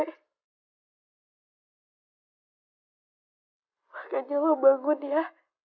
makanya lo bangun ya